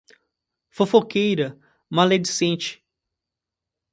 Fofoqueira maledicente